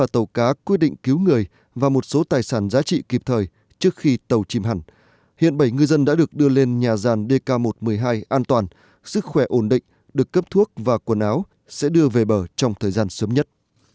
trước đó tàu cá pi chín mươi năm nghìn một trăm ba mươi chín ts của phú yên có bảy ngư dân đang đánh bắt nhà ràn dk một một mươi hai đã bị phá nước thùng đáy hệ thống điện tê liệt toàn tàu có nguy cơ chìm hoàn toàn